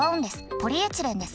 ポリエチレンです。